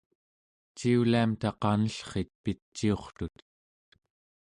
ciuliamta qanellrit piciurtut